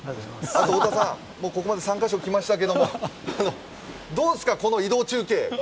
太田さん、ここまで３カ所来ましたけどどうですかこの移動中継。